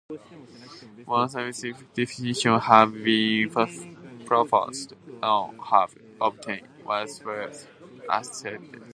More specific definitions have been proposed; none have obtained widespread acceptance.